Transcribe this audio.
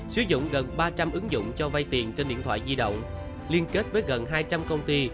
sử dụng gần ba trăm linh ứng dụng cho vay tiền trên điện thoại di động liên kết với gần hai trăm linh công ty